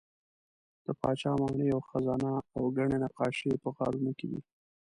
د پاچا ماڼۍ او خزانه او ګڼې نقاشۍ په غارونو کې دي.